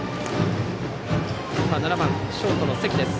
７番、ショートの関です。